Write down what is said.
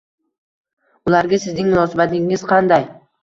Ularga sizning munosabatingiz qanday?